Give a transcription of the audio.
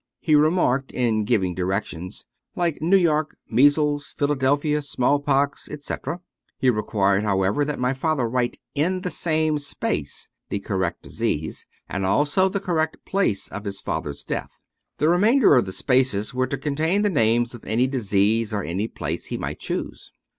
He remarked in giving direc tions, "Like New York measles, Philadelphia smallpox, etc." He required, however, that my father write in the same space the correct disease, and also the correct place of his father's death. The remainder of the spaces were to contain the names of any disease or any place he might choose.